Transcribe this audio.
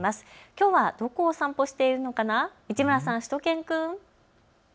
きょうはどこをお散歩しているのかな、市村さん、しゅと犬くん。